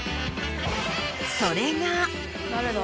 それが。